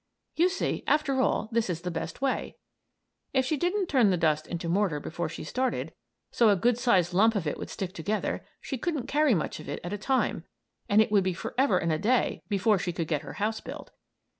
You see, after all, this is the best way. If she didn't turn the dust into mortar before she started, so a good sized lump of it would stick together, she couldn't carry much of it at a time, and it would be forever and a day before she could get her house built.